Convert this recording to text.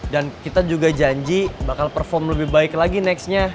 dan kita juga janji bakal perform lebih baik lagi next nya